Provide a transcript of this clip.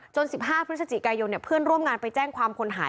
๑๕พฤศจิกายนเพื่อนร่วมงานไปแจ้งความคนหาย